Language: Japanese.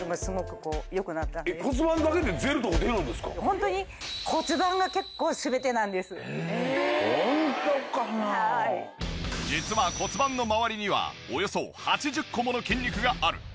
ホントに実は骨盤のまわりにはおよそ８０個もの筋肉がある。